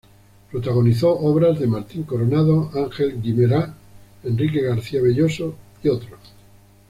Protagonizó obras de Martín Coronado, Ángel Guimerá, Enrique García Velloso y otros.